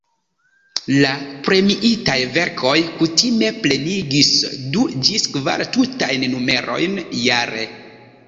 La premiitaj verkoj kutime plenigis du ĝis kvar tutajn numerojn jare.